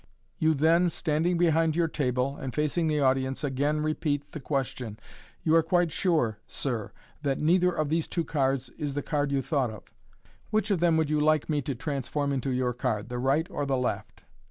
You then, standing behind your table and facing the audience, again repeat the question, " You are quite sure, sir, that neither of these two cards is the card you thought of ? Which of them would you like me to transform into your card, the right or the left